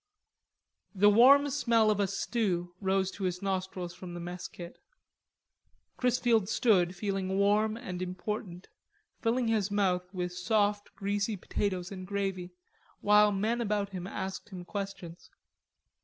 The warm smell of a stew rose to his nostrils from the mess kit. Chrisfield stood, feeling warm and important, filling his mouth with soft greasy potatoes and gravy, while men about him asked him questions.